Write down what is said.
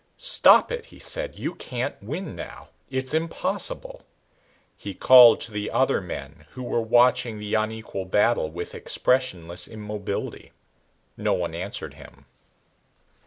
"Stop it," he said. "You can't win now. It's impossible." He called to the other men who were watching the unequal battle with expressionless immobility. No one answered him.